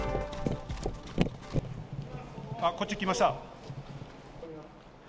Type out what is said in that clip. あっ、こっち来ました。